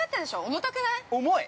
重たくない？◆重い。